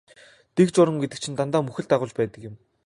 Дэг журам гэдэг чинь дандаа мөхөл дагуулж байдаг юм.